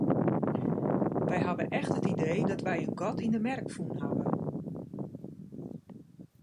Wy hawwe echt it idee dat wy in gat yn 'e merk fûn hawwe.